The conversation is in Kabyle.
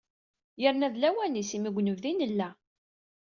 Yerna d lawan-is, imi deg unebdu i nella.